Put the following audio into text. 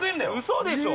嘘でしょ！？